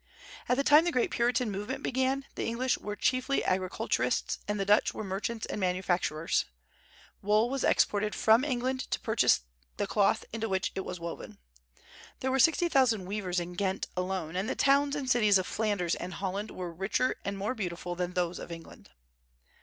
At the time the great Puritan movement began, the English were chiefly agriculturists and the Dutch were merchants and manufacturers. Wool was exported from England to purchase the cloth into which it was woven. There were sixty thousand weavers in Ghent alone, and the towns and cities of Flanders and Holland were richer and more beautiful than those of England.